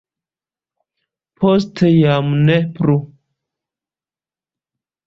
Poste jam ne plu.